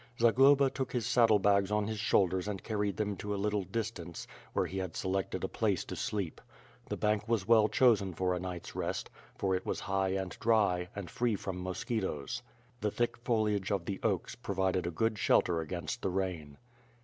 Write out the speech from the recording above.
Zagloba took his saddle bags on his shoulders and carried them to a little distance, where he had selected a place to sleep.. The bank was well chosen for a night's rest, for it was high and dry, and free from mosquitoes. The thick foliage of the oaks provided a good shelter against the rain.